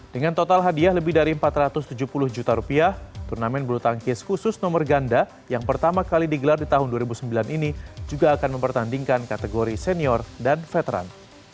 dengan total hadiah lebih dari empat ratus tujuh puluh juta rupiah turnamen bulu tangkis khusus nomor ganda yang pertama kali digelar di tahun dua ribu sembilan ini juga akan mempertandingkan kategori senior dan veteran